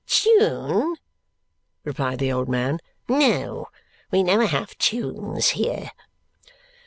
"Tune!" replied the old man. "No. We never have tunes here."